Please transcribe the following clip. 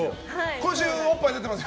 今週はおっぱい出てます